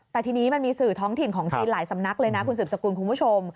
แต่ทีนี้มันมีสื่อท้องถิ่นของจีนหลายสำนักเลยนะคุณสืบสกุลคุณผู้ชม